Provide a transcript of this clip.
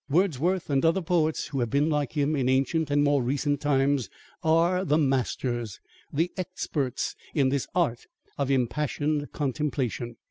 Wordsworth, and other poets who have been like him in ancient or more recent times, are the masters, the experts, in this art of impassioned contemplation.